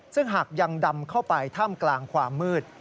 ซึ่งหากยังดำเข้าไปถ้ำกลางความมืด